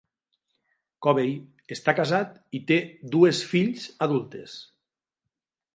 Covey està casat i té dues fills adultes.